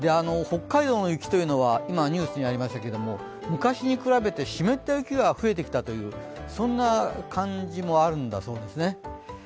北海道の雪というのはニュースにありましたけど昔に比べて湿った雪が増えてきたという感じもあるんだそうですね。